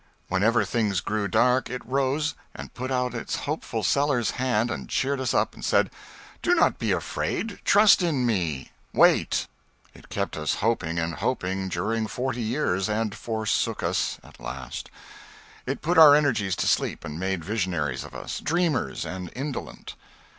Whenever things grew dark it rose and put out its hopeful Sellers hand and cheered us up, and said "Do not be afraid trust in me wait." It kept us hoping and hoping, during forty years, and forsook us at last. It put our energies to sleep and made visionaries of us dreamers and indolent.